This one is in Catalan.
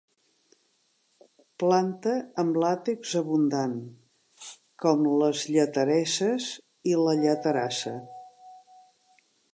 Planta amb làtex abundant, com les lletereses i la lleterassa.